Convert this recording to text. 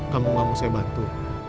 kamu gak mau saya bantu